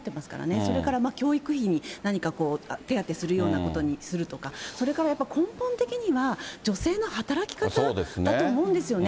それから教育費に何か手当するようなことにするとか、それから根本的には女性の働き方だと思うんですよね。